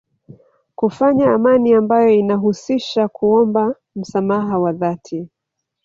Kufanya amani ambayo inahusisha kuomba msamaha wa dhati